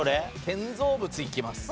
建造物いきます。